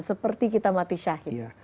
seperti kita mati syahid